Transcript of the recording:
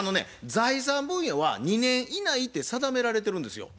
財産分与は２年以内て定められてるんですよ。